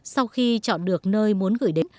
sau khi chọn được nơi muốn gửi đến